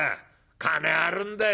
金はあるんだよ